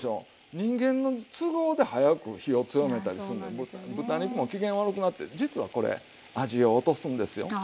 人間の都合で早く火を強めたりするの豚肉も機嫌悪くなって実はこれ味を落とすんですよ。